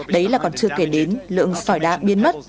đấy là còn chưa kể đến lượng sỏi đá biến mất